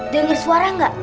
dengar suara gak